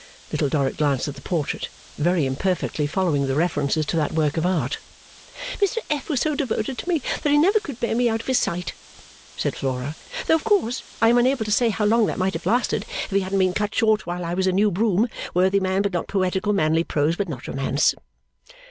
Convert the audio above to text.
Little Dorrit glanced at the portrait, very imperfectly following the references to that work of art. 'Mr F. was so devoted to me that he never could bear me out of his sight,' said Flora, 'though of course I am unable to say how long that might have lasted if he hadn't been cut short while I was a new broom, worthy man but not poetical manly prose but not romance.